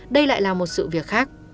đây lại là một sự việc khác